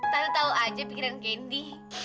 tante tau aja pikiran candy